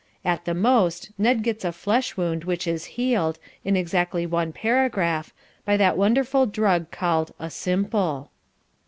At the most Ned gets a flesh wound which is healed, in exactly one paragraph, by that wonderful drug called a "simple."